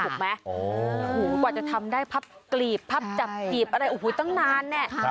กลัวจะทำได้พับกลีบพับจับกลีบอะไรอูหูตั้งนานเนี่ย